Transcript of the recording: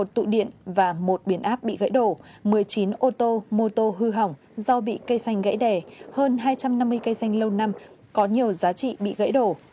một tụ điện và một biến áp bị gãy đổ một mươi chín ô tô mô tô hư hỏng do bị cây xanh gãy đẻ hơn hai trăm năm mươi cây xanh lâu năm có nhiều giá trị bị gãy đổ